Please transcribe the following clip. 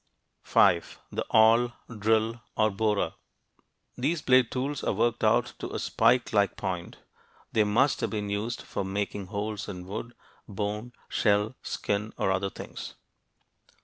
5. The "awl," "drill," or "borer." These blade tools are worked out to a spike like point. They must have been used for making holes in wood, bone, shell, skin, or other things.